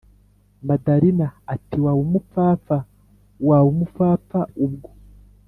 madalina ati”waba umupfapfa wabumupfapfa ubwo